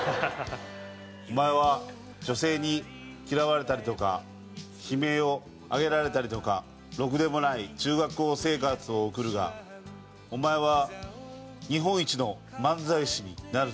お前は女性に嫌われたりとか悲鳴を上げられたりとかろくでもない中学校生活を送るがお前は日本一の漫才師になるぞ。